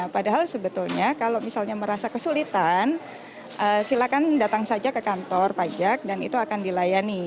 padahal sebetulnya kalau misalnya merasa kesulitan silakan datang saja ke kantor pajak dan itu akan dilayani